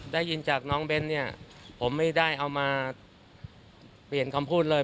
ได้ยินจากน้องเบ้นเนี่ยผมไม่ได้เอามาเปลี่ยนคำพูดเลย